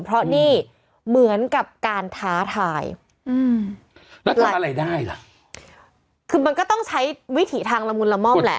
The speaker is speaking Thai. เพราะนี่เหมือนกับการท้าทายอืมแล้วทำอะไรได้ล่ะคือมันก็ต้องใช้วิถีทางละมุนละม่อมแหละ